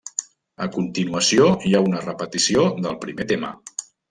A continuació hi ha una repetició del primer tema.